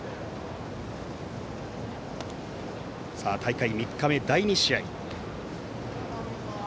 さあ、大会３日目第２試合。